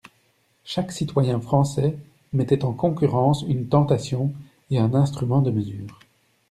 Chaque citoyen français mettait en concurrence une tentation et un instrument de mesure.